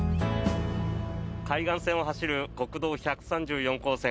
海岸線を走る国道１３４号線。